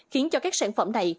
khiến cho các sản phẩm này